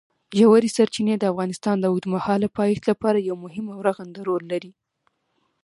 ژورې سرچینې د افغانستان د اوږدمهاله پایښت لپاره یو مهم او رغنده رول لري.